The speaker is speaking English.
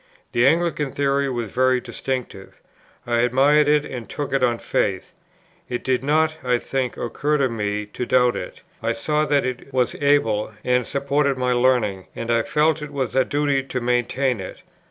The Anglican Theory was very distinctive. I admired it and took it on faith. It did not (I think) occur to me to doubt it; I saw that it was able, and supported by learning, and I felt it was a duty to maintain it.